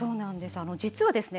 実はですね